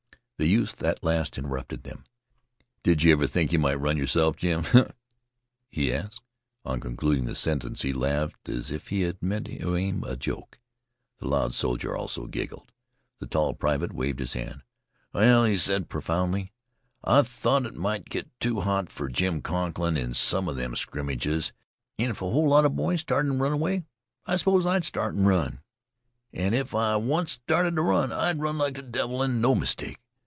The youth at last interrupted them. "Did you ever think you might run yourself, Jim?" he asked. On concluding the sentence he laughed as if he had meant to aim a joke. The loud soldier also giggled. The tall private waved his hand. "Well," said he profoundly, "I've thought it might get too hot for Jim Conklin in some of them scrimmages, and if a whole lot of boys started and run, why, I s'pose I'd start and run. And if I once started to run, I'd run like the devil, and no mistake.